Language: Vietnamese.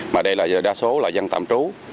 mà đây là đa số dân tạm trú